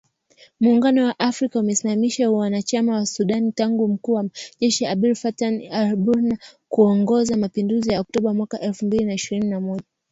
Muungano wa Afrika imesimamisha uanachama wa Sudan tangu mkuu wa jeshi Abdel Fattah al-Burhan kuongoza mapinduzi ya Oktoba mwaka elfu mbili ishirini na moja